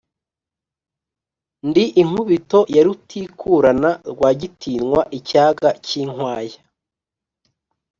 ndi inkubito ya rutikurana, rwagitinywa icyaga cy'inkwaya,